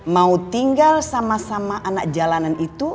mau tinggal sama sama anak jalanan itu